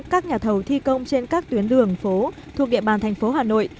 các nhà thầu thi công trên các tuyến đường phố thuộc địa bàn thành phố hà nội